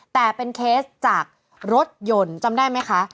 แต่เป็นเคสจากรถยนต์จำได้ไหมคะ